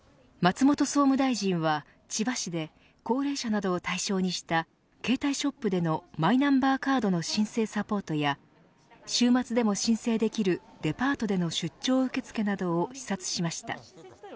松本総務大臣は千葉市で高齢者などを対象にした携帯ショップでのマイナンバーカードの申請サポートや週末でも申請できるデパートでの出張受付などを視察しました。